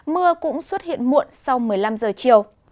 mưa cũng xuất hiện muộn sau một mươi năm giờ chiều